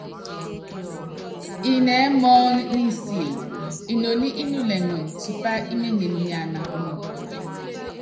Inɛɛ́ mɔɔ́n nisil, inoní í nulɛŋɔn tipá ímenyen niana kunɔk.